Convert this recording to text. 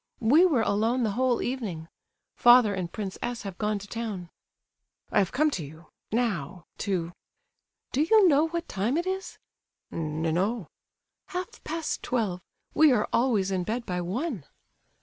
We were alone the whole evening. Father and Prince S. have gone to town." "I have come to you—now—to—" "Do you know what time it is?" "N—no!" "Half past twelve. We are always in bed by one."